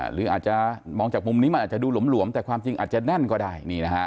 หรืออาจจะมองจากมุมนี้มันอาจจะดูหลวมแต่ความจริงอาจจะแน่นก็ได้